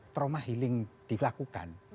trauma healing dilakukan